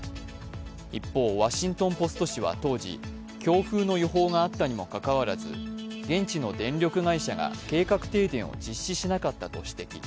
一方、「ワシントン・ポスト」紙は当時強風の予報があったにもかかわらず、現地の電力会社が計画停電を実施しなかったと指摘。